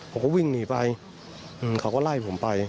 ผมก็วิ่งหนีไปเขาก็ไล่ผมไป